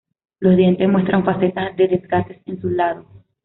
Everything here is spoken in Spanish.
Los dientes muestran facetas de desgaste en sus lados.